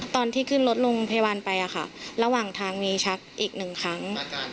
ตอนที่ขึ้นรถโรงพยาบาลไประหว่างทางมีชักอีกหนึ่งครั้ง